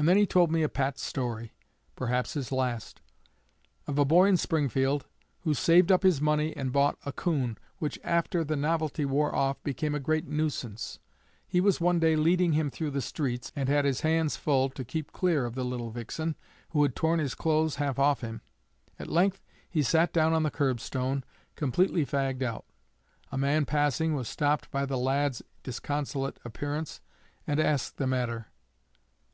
And then he told a pat story perhaps his last of a boy in Springfield, "who saved up his money and bought a 'coon,' which, after the novelty wore off, became a great nuisance. He was one day leading him through the streets, and had his hands full to keep clear of the little vixen, who had torn his clothes half off him. At length he sat down on the curb stone, completely fagged out. A man passing was stopped by the lad's disconsolate appearance, and asked the matter.